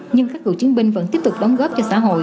nhưng các cựu chiến binh vẫn tiếp tục đóng góp cho xã hội